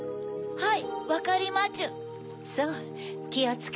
はい！